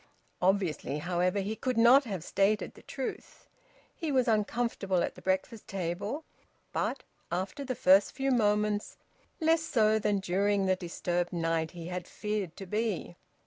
Obviously, however, he could not have stated the truth. He was uncomfortable at the breakfast table, but, after the first few moments, less so than during the disturbed night he had feared to be.